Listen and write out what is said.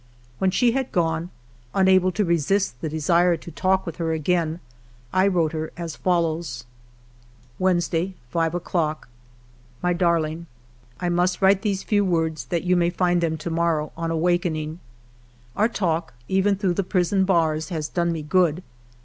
... When she had gone, unable to resist the desire to talk with her again, I wrote her as follows :— Wednesday, 5 o'clock. "My Darling, —" I must write these few words, that you may find them to morrow on awakening. " Our talk, even through the prison bars, has done me good.